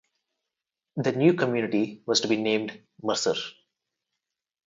The new community was to be named Mercer.